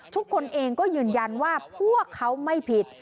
ทุกคนเองก็ยืนยันว่าพวกเขาไม่ผิด